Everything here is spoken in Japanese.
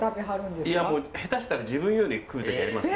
いやもう下手したら自分より食う時ありますね。